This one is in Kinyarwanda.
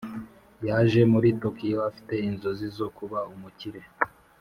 yaje muri tokiyo afite inzozi zo kuba umukire.